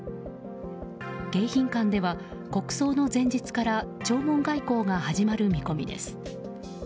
迎賓館では国葬の前日から弔問外交が始まる見込みです。